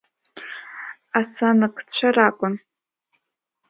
Асаныгцәа ракәын.